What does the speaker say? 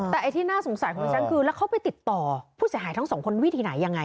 แต่ไอ้ที่น่าสงสัยของดิฉันคือแล้วเขาไปติดต่อผู้เสียหายทั้งสองคนวิธีไหนยังไง